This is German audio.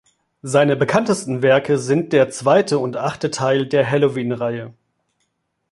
Seine bekanntesten Werke sind der zweite und achte Teil der "Halloween"-Reihe.